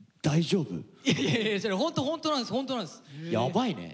大丈夫？